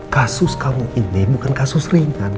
kasus kamu ini bukan kasus ringan